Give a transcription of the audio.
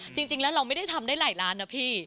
จริงแล้วเราไม่ได้ทำได้หลายล้านนะพี่